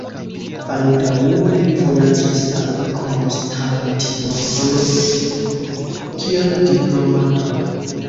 Baldaŭe li vojaĝis al Konstantinopolo, kiel diplomato.